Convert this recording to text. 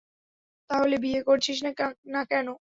তাহলে বিয়ে করছিস না কেন?